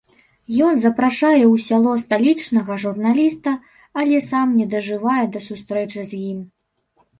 Ён запрашае ў сяло сталічнага журналіста, але сам не дажывае да сустрэчы з ім.